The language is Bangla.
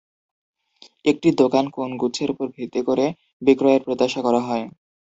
একটি দোকান কোন গুচ্ছের উপর ভিত্তি করে বিক্রয়ের প্রত্যাশা করা হয়।